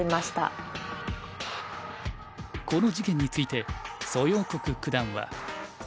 この事件について蘇耀国九段は。